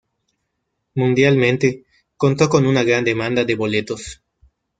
Mundialmente, contó con una gran demanda de boletos.